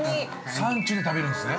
◆サンチュで食べるんですね。